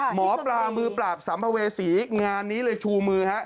หมอปลามือปราบสัมภเวษีงานนี้เลยชูมือฮะ